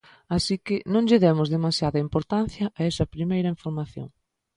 Así que, non lle demos demasiada importancia a esa primeira información.